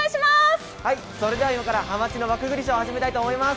それでは今からハマチの輪くぐりショーを始めたいと思います。